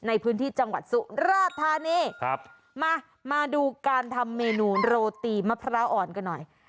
ในพื้นที่จังหวัดสุราธานีครับมามาดูการทำเมนูโรตีมะพร้าวอ่อนกันหน่อย